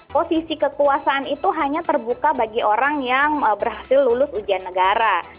posisi kekuasaan itu hanya terbuka bagi orang yang berhasil lulus ujian negara